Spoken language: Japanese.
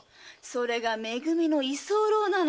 それがめ組の居候なの。